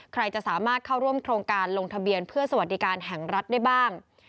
ใครจะสามารถเข้าร่วมโครงการลงทะเบียนเพื่อสวัสดิการแห่งรัฐได้บ้าง